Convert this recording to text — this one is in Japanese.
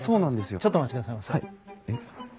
ちょっとお待ちくださいませ。